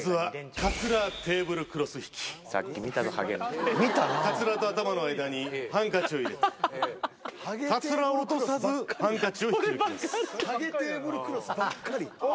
かつらと頭の間にハンカチを入れて、かつらを落とさず、ハンカチを引く。